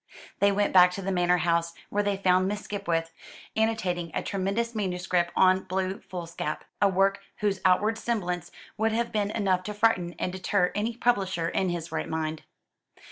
They went back to the manor house, where they found Miss Skipwith annotating a tremendous manuscript on blue foolscap, a work whose outward semblance would have been enough to frighten and deter any publisher in his right mind.